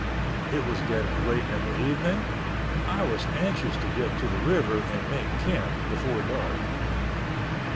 It was getting late in the evening. I was anxious to get to the river and make camp before dark.